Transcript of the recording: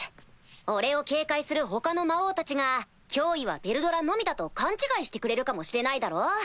俺を警戒する他の魔王たちが脅威はヴェルドラのみだと勘違いしてくれるかもしれないだろ？